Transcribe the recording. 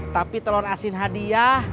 tapi telur asin hadiah